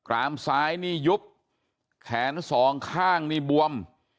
รามซ้ายนี่ยุบแขนสองข้างนี่บวม